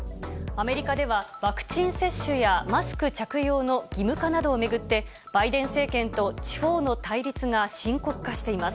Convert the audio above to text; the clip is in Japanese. アメリカでは、ワクチン接種やマスク着用の義務化などを巡って、バイデン政権と地方の対立が深刻化しています。